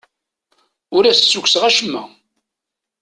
Ur as-d-ssukkseɣ acemma.